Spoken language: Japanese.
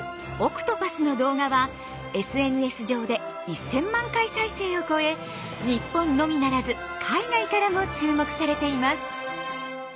「海蛸子」の動画はＳＮＳ上で１，０００万回再生を超え日本のみならず海外からも注目されています。